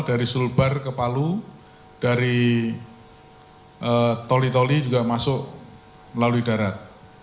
dari sulbar ke palu dari toli toli juga masuk melalui darat